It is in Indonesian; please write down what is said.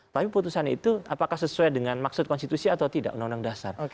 tapi putusan itu apakah sesuai dengan maksud konstitusi atau tidak undang undang dasar